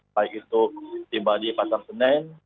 baik itu tiba di pasar senen